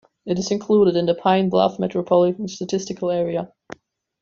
It is included in the Pine Bluff Metropolitan Statistical Area.